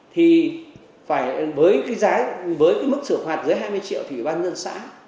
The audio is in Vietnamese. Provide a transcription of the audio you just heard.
thì phải với mức xử phạt dưới hai mươi triệu thì bán dân xã